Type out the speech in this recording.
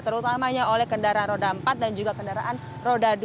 terutamanya oleh kendaraan roda empat dan juga kendaraan roda dua